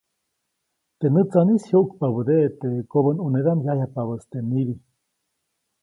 Teʼ nätsaʼnis jyuʼkpabädeʼe teʼ kobänʼunedaʼm yajyajpabäʼis teʼ nibi.